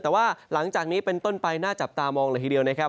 แต่ว่าหลังจากนี้เป็นต้นไปน่าจับตามองเลยทีเดียวนะครับ